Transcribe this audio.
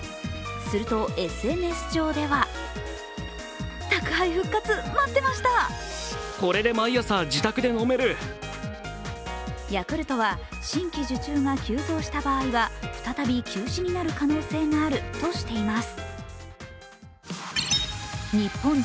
するとＳＮＳ上ではヤクルトは、新規受注が急増した場合は再び休止になる可能性があるとしています。